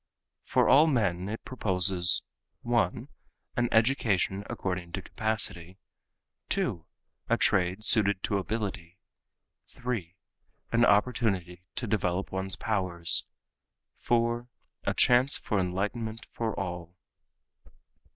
For all men it proposes (1) an education according to capacity; (2) a trade suited to ability; (3) an opportunity to develop one's powers; (4) a chance for enlightenment for all.